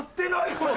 これ。